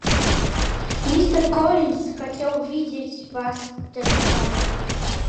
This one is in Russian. Мистер Коллинс хотел видеть вас до начала.